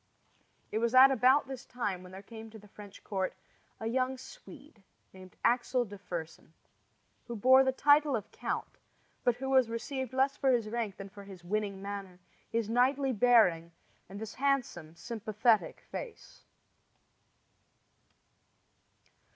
It was at about this time when there came to the French court a young Swede named Axel de Fersen, who bore the title of count, but who was received less for his rank than for his winning manner, his knightly bearing, and his handsome, sympathetic face.